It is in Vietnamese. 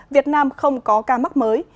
việt nam không có ca mắc mới